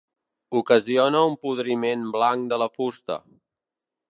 Ocasiona un podriment blanc de la fusta.